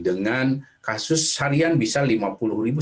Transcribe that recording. dengan kasus harian bisa lima puluh ribu